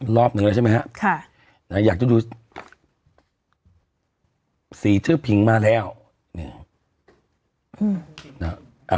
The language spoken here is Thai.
รอบหนึ่งแล้วใช่ไหมฮะค่ะนะอยากจะดูสี่เชื้อพิงมาแล้วนี่อ่า